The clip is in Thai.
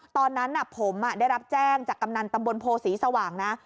ตอนนั้นผมได้รับแจ้งจากกำนันตำบลโพศรีสว่างนะ